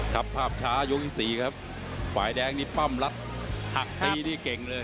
ครับภาพช้ายกที่สี่ครับฝ่ายแดงนี่ปั้มรัดหักตีนี่เก่งเลย